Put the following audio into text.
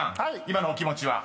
今のお気持ちは？］